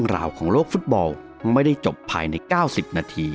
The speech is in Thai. สวัสดีครับ